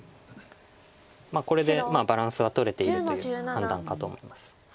これでバランスはとれているという判断かと思います。